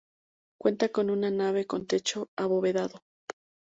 Cuenta con una nave con techo abovedado.